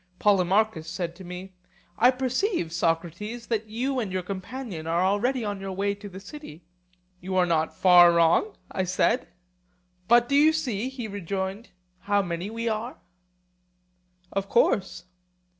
Polemarchus said to me: I perceive, Socrates, that you and your companion are already on your way to the city. You are not far wrong, I said. But do you see, he rejoined, how many we are? Of course.